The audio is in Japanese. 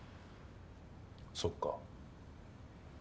そっか。